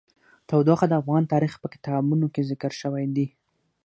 تودوخه د افغان تاریخ په کتابونو کې ذکر شوی دي.